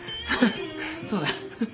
そうだ。